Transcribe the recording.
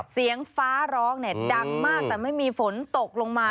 เสียงฟ้าร้องเนี่ยดังมากแต่ไม่มีฝนตกลงมา